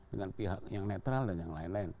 dengan pihak yang netral dan yang lain lain